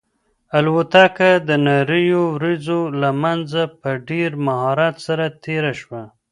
الوتکه د نريو وريځو له منځه په ډېر مهارت سره تېره شوه.